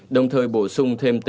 đồng thời bổ sung thêm tên các tỷ phú